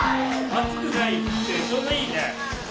熱くなくってちょうどいいね。